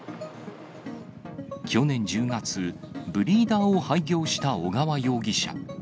去年１０月、ブリーダーを廃業した尾川容疑者。